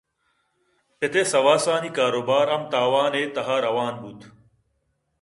پت ءِسواسانی کاروبار ہم تاوانے تہاروان بوت